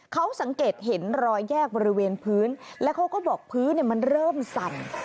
เขาสังเกตเห็นรอยแยกบริเวณพื้นแล้วเขาก็บอกพื้นมันเริ่มสั่น